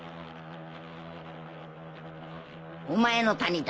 お前の谷だ。